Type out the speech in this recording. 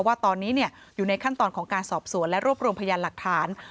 ว่าตอนนี้อยู่ในขั้นตอนของการสอบสวนและรวบรวมพยานหลักฐาน